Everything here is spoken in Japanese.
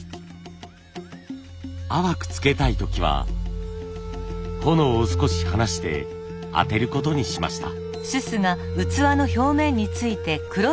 淡くつけたい時は炎を少し離して当てることにしました。